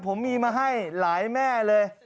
ผมมีมาให้หลายแม่เลย